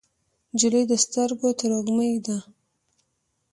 نجلۍ د سترګو تروږمۍ ده.